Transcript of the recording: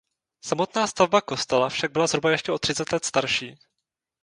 Samotná stavba kostela však byla zhruba ještě o třicet let starší.